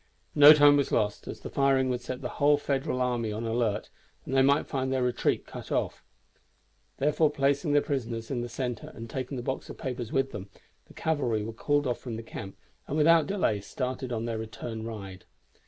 No time was lost, as the firing would set the whole Federal army on the alert, and they might find their retreat cut off. Therefore placing their prisoners in the center, and taking the box of papers with them, the cavalry were called off from the camp, and without delay started on their return ride.